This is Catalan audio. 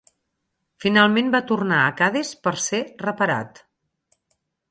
Finalment va tornar a Cadis per ser reparat.